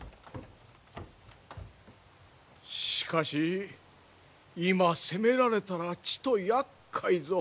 しかし今攻められたらちとやっかいぞ。